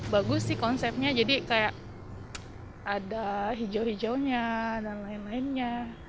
bagus sih konsepnya jadi kayak ada hijau hijaunya dan lain lainnya